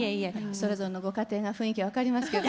それぞれのご家庭が雰囲気分かりますけど。